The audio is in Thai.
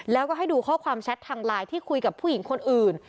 แล้วก็ให้ดูข้อความแชททางไลน์ที่คุยกับผู้หญิงคนอื่น